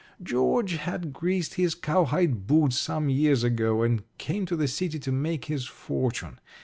George had greased his cowhide boots some years ago, and came to the city to make his fortune.